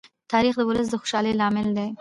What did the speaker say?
تاریخ د خپل ولس د خوشالۍ لامل دی.